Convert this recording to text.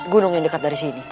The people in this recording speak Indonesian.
gunung yang dekat dari sini